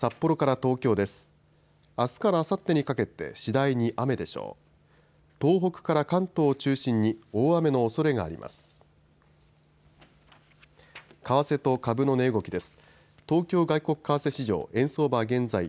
東北から関東を中心に大雨のおそれがあります。